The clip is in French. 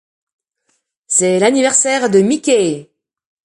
C'est l'anniversaire de Mickey.